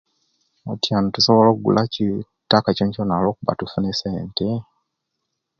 Atyanu tusobola ogula kyii tutaka kyokyo olwokuba tusuna essente.